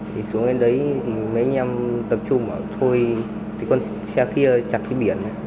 thì xuống lên đấy mấy nhóm tập trung bảo thôi thì con xe kia chặt cái biển